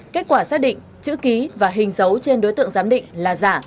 kết quả xác định chữ ký và hình dấu trên đối tượng giám định là giả